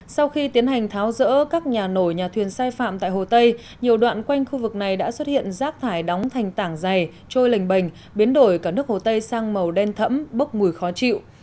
sau khi tiến hành tháo rỡ các nhà nổi nhà thuyền sai phạm tại hồ tây nhiều đoạn quanh khu vực này đã xuất hiện rác thải đóng thành tảng dày trôi lềnh bềnh biến đổi cả nước hồ tây sang màu đen thẫm bốc mùi khó chịu